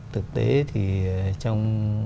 thực tế thì trong